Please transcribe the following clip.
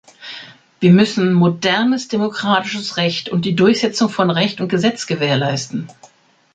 Wir müssen modernes demokratisches Recht und die Durchsetzung von Recht und Gesetz gewährleisten.